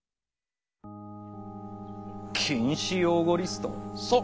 「禁止用語リスト」ォ？